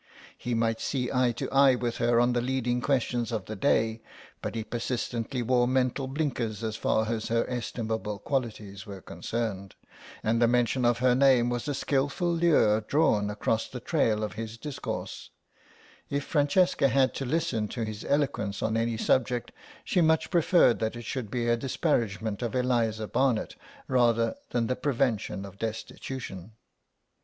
He might see eye to eye with her on the leading questions of the day, but he persistently wore mental blinkers as far as her estimable qualities were concerned, and the mention of her name was a skilful lure drawn across the trail of his discourse; if Francesca had to listen to his eloquence on any subject she much preferred that it should be a disparagement of Eliza Barnet rather than the prevention of destitution.